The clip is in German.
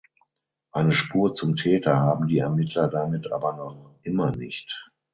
Eine Spur zum Täter haben die Ermittler damit aber noch immer nicht.